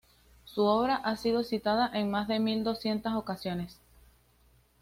Su obra ha sido citada en más de mil doscientas ocasiones.